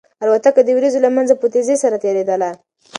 الوتکه د وريځو له منځه په تېزۍ سره تېرېدله.